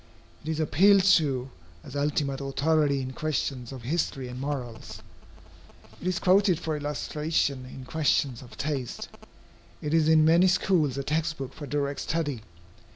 It is appealed to as ultimate authority in questions of history and morals. It is quoted for illustration in questions of taste. It is in many schools a text book for direct study.